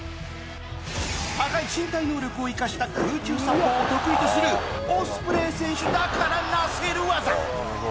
高い身体能力を生かした空中殺法を得意とするオスプレイ選手だからなせる技